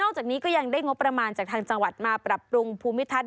จากนี้ก็ยังได้งบประมาณจากทางจังหวัดมาปรับปรุงภูมิทัศน